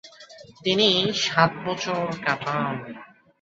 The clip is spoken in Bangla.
তিনি সাত বছর কাটান।